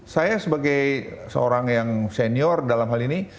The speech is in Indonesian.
saya sebagai seorang yang senior dalam hal ini